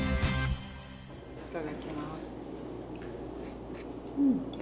いただきます。